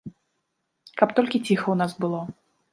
Каб толькі ціха ў нас было.